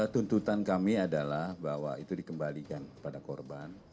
tuntutan kami adalah bahwa itu dikembalikan kepada korban